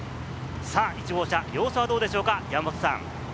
１号車、様子はどうでしょうか？